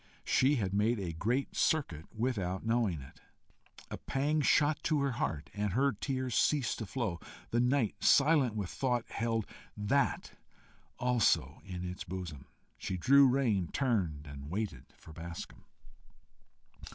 She had made a great circuit without knowing it. A pang shot to her heart, and her tears ceased to flow. The night, silent with thought, held THAT also in its bosom! She drew rein, turned, and waited for Bascombe.